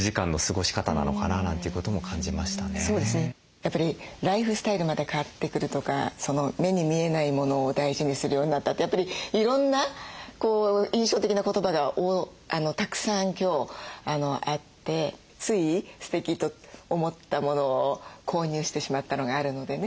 やっぱりライフスタイルまで変わってくるとか目に見えないモノを大事にするようになったってやっぱりいろんな印象的な言葉がたくさん今日あってついすてきと思ったモノを購入してしまったのがあるのでね。